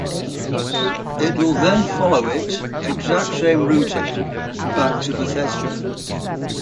It will then follow it exact same routing back to Bethesda.